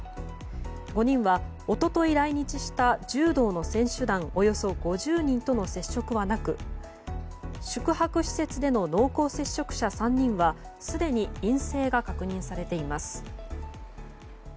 ５人は一昨日来日した柔道の選手団およそ５０人との接触はなく宿泊施設での濃厚接触者３人はすでに陰性が確認されています。